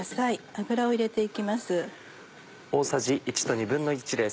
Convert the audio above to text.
油を入れて行きます。